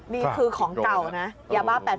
นี่คือของเก่าอย่าบ้า๘๐๐๐เมตร